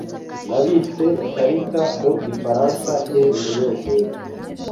Nabitse ikarita mu gifaransa nkiri umunyeshuri.